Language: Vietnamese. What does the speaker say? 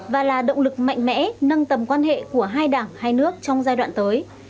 và là động lực mạnh mẽ nâng tầm quan hệ của hai đảng hai nước trong giai đoạn tới